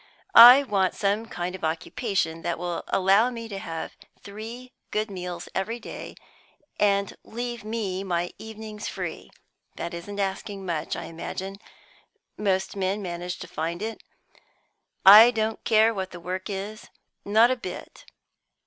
I want some kind of occupation that will allow me to have three good meals every day, and leave me my evenings free. That isn't asking much, I imagine; most men manage to find it. I don't care what the work is, not a bit.